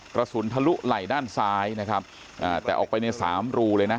กระสุนทะลุไหล่ด้านซ้ายนะครับอ่าแต่ออกไปในสามรูเลยนะ